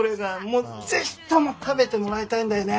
もうぜひとも食べてもらいたいんだよね。